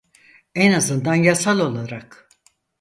En azından yasal olarak.